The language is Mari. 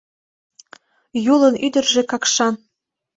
Юлын ӱдыржӧ Какшан...